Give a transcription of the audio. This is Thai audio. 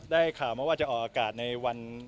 ได้ข่าวมาว่าจะออกอากาศในวัน